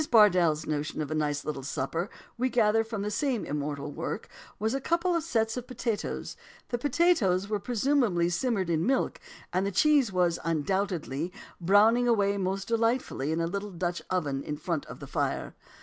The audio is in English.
Bardell's notion of a nice little supper we gather from the same immortal work, was "a couple of sets of pettitoes and some toasted cheese." The pettitoes were presumably simmered in milk, and the cheese was, undoubtedly, "browning away most delightfully in a little Dutch oven in front of the fire."